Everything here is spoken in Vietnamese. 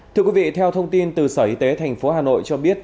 thưa quý vị theo thông tin từ sở y tế tp hà nội cho biết